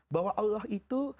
bahwa allah itu